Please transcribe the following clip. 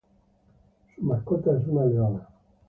Su mascota es una leona.